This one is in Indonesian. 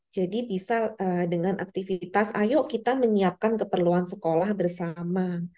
jadi bisa dengan aktivitas ayo kita menyiapkan keperluan sekolah bersama